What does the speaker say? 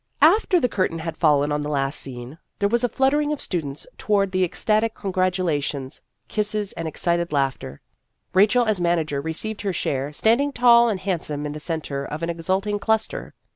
After the curtain had fallen on the last scene, there was a fluttering of students toward the greenroom to besiege the actors with ecstatic congratulations kisses and ex cited laughter. Rachel as manager re ceived her share, standing tall and handsome in the centre of an exulting cluster.